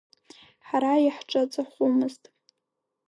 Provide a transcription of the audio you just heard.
Ҳара иаҳҿаҵахәымызт!